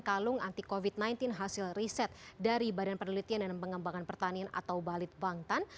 kalung anti covid sembilan belas hasil riset dari badan penelitian dan pengembangan pertanian atau balit bangtan